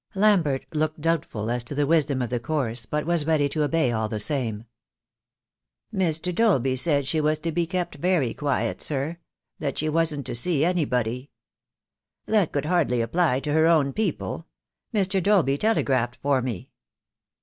Lambert looked doubtful as to the wisdom of the course, but was ready to obey all the same. 88 THE DAY WILL COME. "Mr. Dolby said she was to be kept very quiet, sir — that she wasn't to see anybody." "That would hardly apply to her own people. Mr. Dolby telegraphed for me."